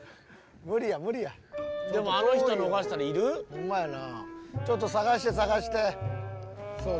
ほんまやな。